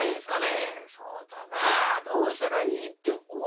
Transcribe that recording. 「そうだなどうしたらいいっておっとっと」。